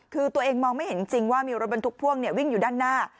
คือตัวเองมองไม่เห็นจริงว่ามีรถบรรทุกพ่วงวิ่งอยู่ด้านหน้า